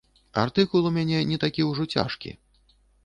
Артыкул у мяне не такі ўжо цяжкі.